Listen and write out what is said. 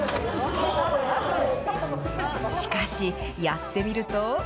しかし、やってみると。